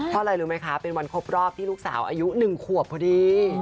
เพราะอะไรรู้ไหมคะเป็นวันครบรอบที่ลูกสาวอายุ๑ขวบพอดี